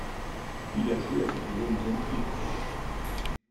Puis il a joué avec les London Irish.